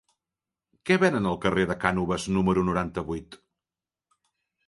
Què venen al carrer de Cànoves número noranta-vuit?